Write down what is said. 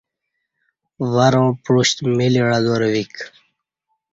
ورں پعوݜت میل عدارہ ویک